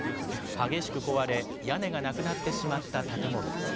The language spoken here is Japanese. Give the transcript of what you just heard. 激しく壊れ、屋根がなくなってしまった建物。